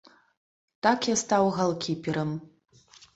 Так я стаў галкіперам.